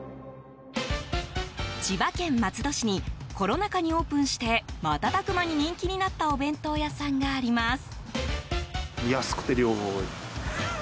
千葉県松戸市にコロナ禍にオープンして瞬く間に人気になったお弁当屋さんがあります。